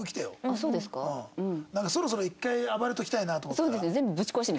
そろそろ一回暴れときたいなと思ったら。